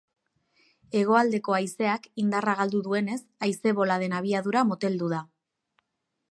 Hegoaldeko haizeak indarra galdu duenez, haize-boladen abiadura moteldu da.